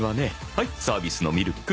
はいサービスのミルク。